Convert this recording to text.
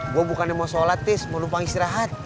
gue bukannya mau sholat is mau numpang istirahat